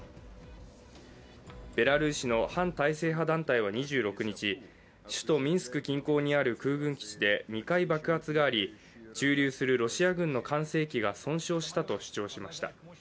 ベラルーシの反体制派団体は２６日、首都ミンスク近郊にある空軍基地で２回爆発があり駐留するロシア軍の管制機が損傷したと主張しました。